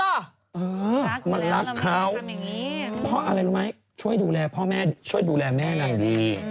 เออมันรักเขาเพราะอะไรรู้ไหมช่วยดูแลพ่อแม่ช่วยดูแลแม่นางดี